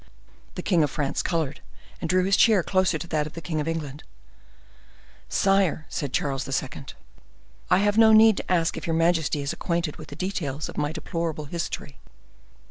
The king of France colored, and drew his chair closer to that of the king of England. "Sire," said Charles II., "I have no need to ask if your majesty is acquainted with the details of my deplorable history."